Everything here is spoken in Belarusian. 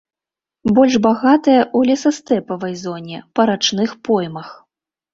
Больш багатая ў лесастэпавай зоне, па рачных поймах.